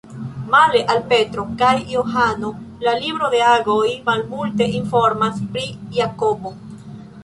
Male al Petro kaj Johano, la libro de Agoj malmulte informas pri Jakobo.